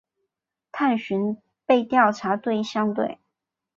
探寻被调查对象对。